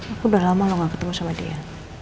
aku udah lama lho nggak ketemu sama dia